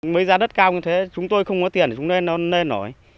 mấy giá đất cao như thế chúng tôi không có tiền để chúng tôi lên nổi